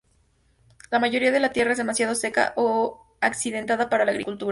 La mayoría de la tierra es demasiado seca o accidentada para la agricultura.